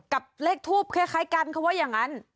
กับเลขทูปคล้ายกันเขาว่าอย่างนั้น